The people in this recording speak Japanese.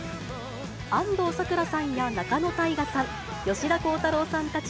安藤サクラさんや仲野太賀さん、吉田鋼太郎さんたち